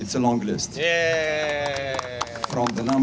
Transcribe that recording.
ini adalah listanya yang panjang